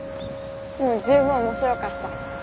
もう十分面白かった。